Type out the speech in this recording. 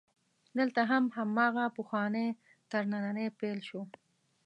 دلته هم هماغه پخوانی ترننی پیل شو.